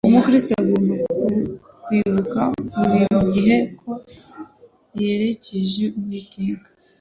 Umukristo agomba kwibuka buri gihe ko yerejwe Uwiteka